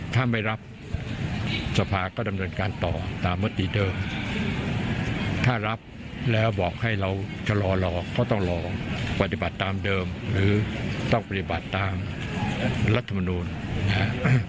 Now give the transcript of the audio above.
ถ้าไม่รับสภาก็ดำเนินการต่อตามมติเดิมถ้ารับแล้วบอกให้เราชะลอหลอกก็ต้องรอปฏิบัติตามเดิมหรือต้องปฏิบัติตามรัฐมนูลนะฮะ